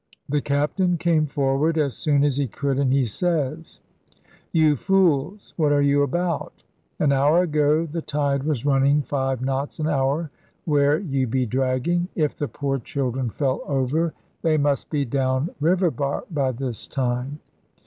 The Captain came forward as soon as he could, and he says, 'You fools, what are you about? An hour ago the tide was running five knots an hour where you be dragging! If the poor children fell over, they must be down river bar by this time.'